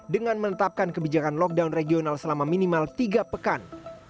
dengan menetapkan kebijakan lockdown regional selama minimal tiga pekan